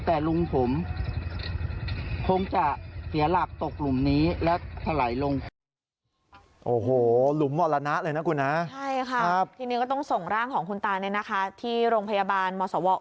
แต่ลุงผม